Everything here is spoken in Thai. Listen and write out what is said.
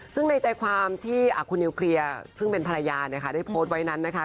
ซึ่งในใจความที่คุณนิวเคลียร์ซึ่งเป็นภรรยานะคะได้โพสต์ไว้นั้นนะคะ